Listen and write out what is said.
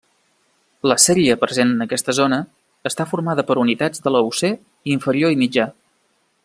La sèrie present en aquesta zona està formada per unitats de l'eocè inferior i mitjà.